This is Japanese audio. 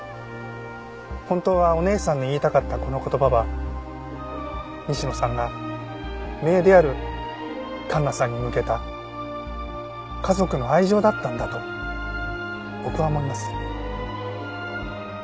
本当はお姉さんに言いたかったこの言葉は西野さんが姪である環奈さんに向けた家族の愛情だったんだと僕は思います。